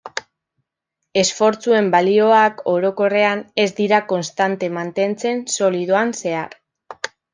Esfortzuen balioak, orokorrean, ez dira konstante mantentzen solidoan zehar.